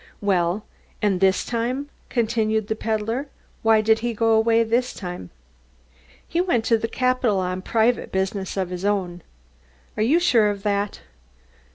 "Well, and this time?" continued the peddler. "Why did he go away this time?" "He went to the capital on private business of his own." "Are you sure of that?"